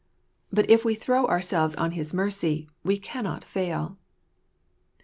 But if we throw ourselves on his mercy, we cannot fail.